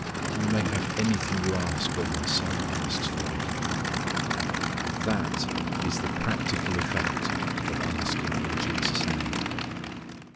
You may have anything you ask when My Son asks for it." That is the practical effect of asking in Jesus' name.